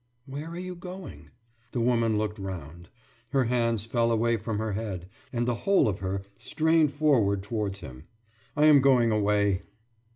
« »Where are you going?« The woman looked round. Her hands fell away from her head, and the whole of her strained forward towards him. »I am going away.